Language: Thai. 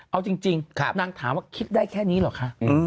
เอาจริงนางถามว่าคิดได้แค่นี้เหรอคะ